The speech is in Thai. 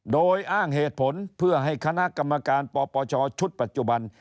โดยอ้างเหตุผลเพื่อให้คณะกรรมการปปชชุดปัจจุบัน